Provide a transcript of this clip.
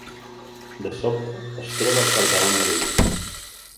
De sobte es troba al capdavant del grup.